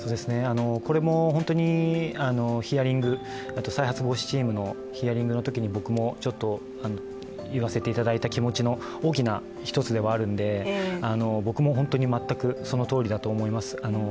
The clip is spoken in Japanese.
これもヒアリング、再発防止特別チームのヒアリングのときに僕も言わせていただいた気持ちの大きな１つではあるんで、僕も本当に全くそのとおりだと思います。